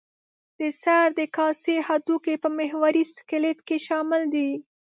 د سر د کاسې هډوکي په محوري سکلېټ کې شامل دي.